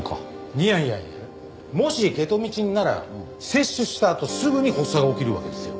いやいやいやもしケトミチンなら摂取したあとすぐに発作が起きるわけですよ。